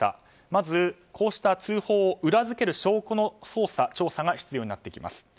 まずこうした通報を裏付ける証拠の捜査が必要になってきます。